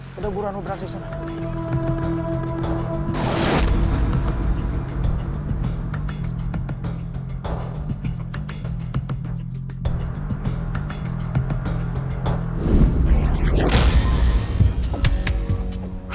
ayo re buruan lo berangkat susah